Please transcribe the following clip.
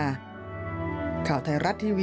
เพื่อให้แก่พนักงานหรือรับประทานตลอดมา